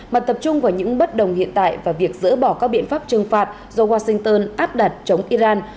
mà tập trung vào những bất đồng hiện tại và việc dỡ bỏ các biện pháp trừng phạt do washington áp đặt chống iran